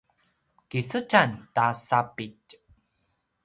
kisedjam ta sapitj